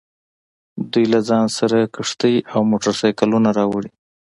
دوی له ځان سره کښتۍ او موټر سایکلونه راوړي